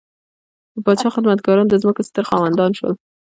د پاچا خدمتګاران د ځمکو ستر خاوندان شول.